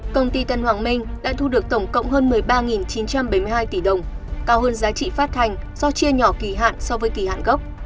công ty tân hoàng minh đã thu được tổng cộng hơn một mươi ba chín trăm bảy mươi hai tỷ đồng cao hơn giá trị phát hành do chia nhỏ kỳ hạn so với kỳ hạn gốc